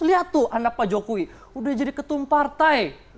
lihat tuh anak pak jokowi udah jadi ketum partai